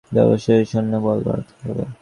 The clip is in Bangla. আমাদের অবশ্যই সৈন্যবল বাড়াতে হবে।